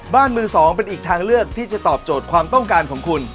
บ้านมือสองเป็นอีกทางเลือกที่จะตอบโจทย์ความต้องการของคุณ